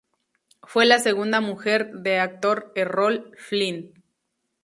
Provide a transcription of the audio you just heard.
Fue la segunda mujer de actor Errol Flynn.